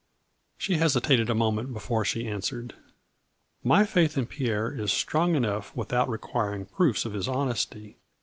She hesitated a moment before she answered :" My faith in Pierre is strong enough without requiring proofs of his honesty.